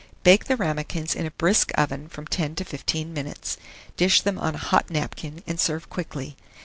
Bake the ramakins in a brisk oven from 10 to 15 minutes, dish them on a hot napkin, and serve quickly.